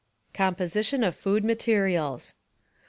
14 COMPOSITION OF FOOD MATERIALS.